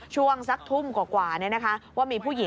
ช่วงสักทุ่มกว่าว่ามีผู้หญิง